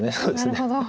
なるほど。